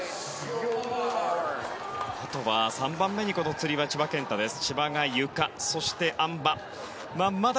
あとは３番目につり輪、千葉健太です。